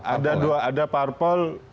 ada dua ada parpol